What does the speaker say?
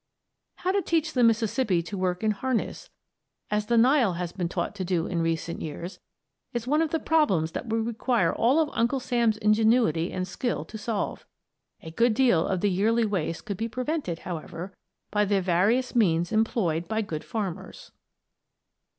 How to teach the Mississippi to work in harness, as the Nile has been taught to do in recent years, is one of the problems which will require all of Uncle Sam's ingenuity and skill to solve. A good deal of the yearly waste could be prevented, however, by the various means employed by good farmers.